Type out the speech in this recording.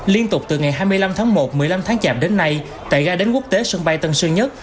liên tục từ ngày hai mươi năm tháng một một mươi năm tháng chạp đến nay tại ga đến quốc tế sân bay tân sơn nhất